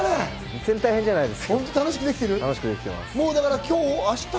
全然大変じゃないです。